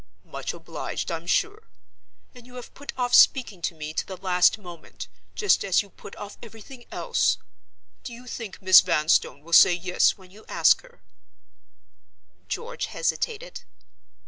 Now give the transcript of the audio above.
"Much obliged, I'm sure. And you have put off speaking to me to the last moment, just as you put off everything else. Do you think Miss Vanstone will say yes when you ask her?" George hesitated.